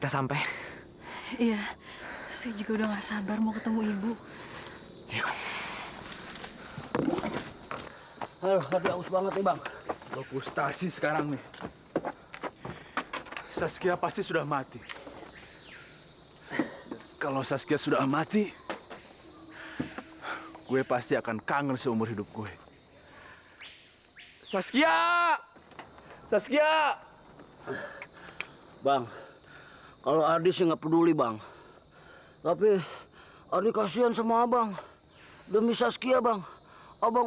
sampai jumpa di video selanjutnya